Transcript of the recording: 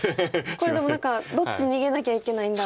これでも何かどっち逃げなきゃいけないんだろうって。